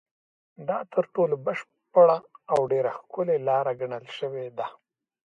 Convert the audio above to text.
دا تر ټولو بشپړه او ډېره ښکلې لاره ګڼل شوې ده.